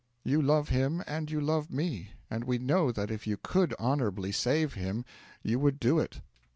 You love him, and you love me, and we know that if you could honourable save him, you would do it.